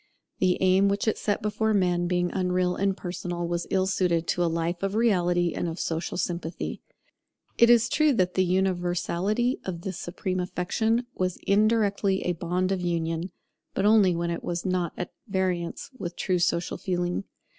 The aim which it set before men, being unreal and personal, was ill suited to a life of reality and of social sympathy. It is true that the universality of this supreme affection was indirectly a bond of union; but only when it was not at variance with true social feeling.